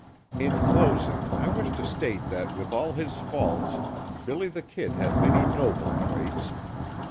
In closing, I wish to state that with all his faults, "Billy the Kid" had many noble traits.